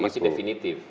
karena masih definitif